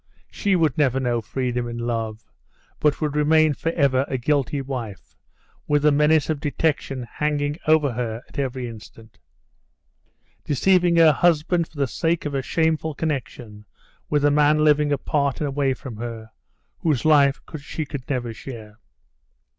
She would never know freedom in love, but would remain forever a guilty wife, with the menace of detection hanging over her at every instant; deceiving her husband for the sake of a shameful connection with a man living apart and away from her, whose life she could never share.